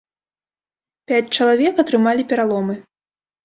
Пяць чалавек атрымалі пераломы.